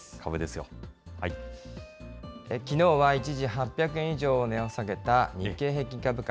きのうは一時８００円以上値を下げた日経平均株価。